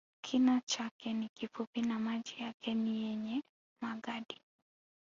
Kina chake ni kifupi na maji yake ni yenye magadi